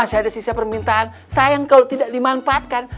masih ada sisa permintaan sayang kalau tidak dimanfaatkan